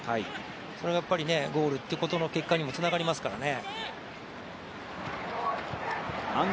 それはやっぱりゴールということの結果につながりますからね。